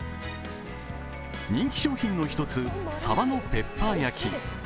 人気商品の１つ、サバのペッパー焼き。